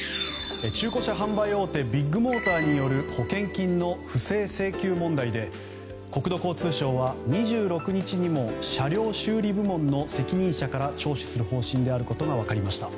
中古車販売大手ビッグモーターによる保険金の不正請求問題で国土交通省は２６日にも車両修理部門の責任者から聴取する方針であることが分かりました。